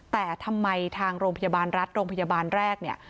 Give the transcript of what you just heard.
แต่ทำไมทางโรงพยาบาลรัฐโรงพยาบาลแรกเนี่ย